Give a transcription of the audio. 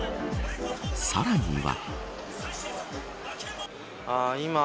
さらには。